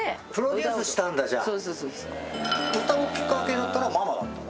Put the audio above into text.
歌うきっかけになったのはママだったの？